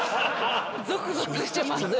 ゾクゾクしてます。